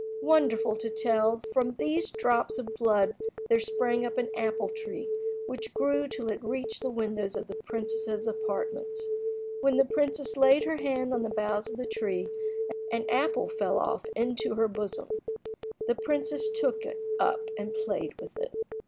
Wonderful to tell! from these drops of blood there sprang up an apple tree which grew till it reached the windows of the princess's apartments. When the princess laid her hand on the boughs of the tree, an apple fell off into her bosom. The princess took it up and played with it.